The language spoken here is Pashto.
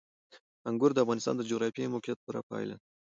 انګور د افغانستان د جغرافیایي موقیعت پوره پایله ده.